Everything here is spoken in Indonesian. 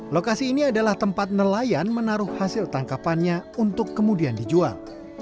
lokasi ini adalah tempat nelayan menaruh hasil tangkapannya untuk kemudian dijual